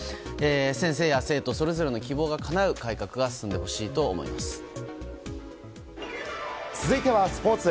先生や生徒それぞれの希望がかなう改革が続いてはスポーツ。